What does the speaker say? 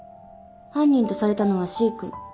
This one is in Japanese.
「犯人とされたのはＣ君」